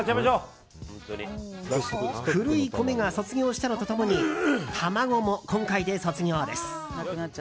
古い米が卒業したのと共に卵も今回で卒業です。